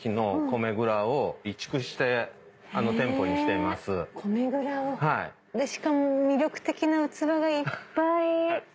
米蔵をしかも魅力的な器がいっぱい。